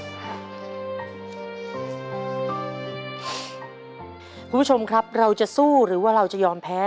คุณผู้ชมครับเราจะสู้หรือว่าเราจะยอมแพ้